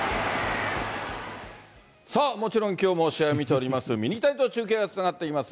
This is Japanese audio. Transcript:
さあ、もちろんきょうも試合を見ております、ミニタニと中継がつながっております。